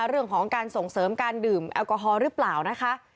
เรื่องของการส่งเสริมการดื่มแอลกอฮอล์หรือเปล่านะคะ